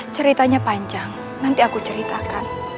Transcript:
ceritanya panjang nanti aku ceritakan